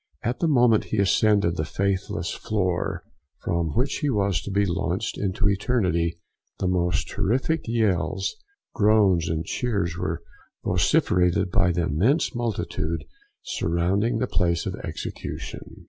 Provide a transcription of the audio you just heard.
At the moment he ascended the faithless floor, from which he was to be launched into eternity, the most terrific yells, groans, and cheers were vociferated by the immense multitude surrounding the place of execution.